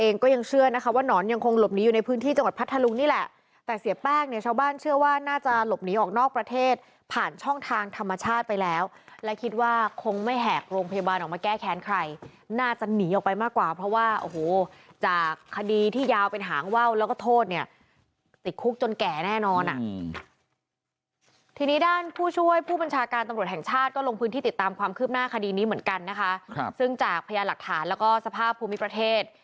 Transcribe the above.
นี่เหมือนกันนะคะซึ่งจากพยายามหลักฐานแล้วก็สภาพภูมิประเทศ